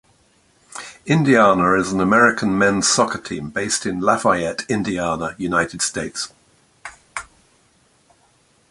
Indiana is an American men's soccer team based in Lafayette, Indiana, United States.